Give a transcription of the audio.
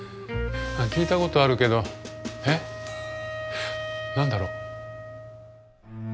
聞いたことあるけどえっ何だろう？